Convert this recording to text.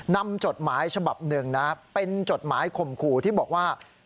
จดหมายฉบับหนึ่งนะเป็นจดหมายข่มขู่ที่บอกว่า